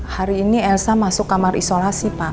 hari ini elsa masuk kamar isolasi pak